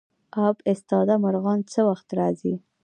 اب ایستاده مرغان څه وخت راځي؟